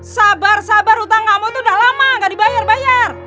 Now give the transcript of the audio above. sabar sabar hutang kamu itu udah lama gak dibayar bayar